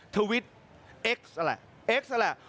ทวิตเอ็กซอ่ะแหละเอ็กซอ่ะแหละ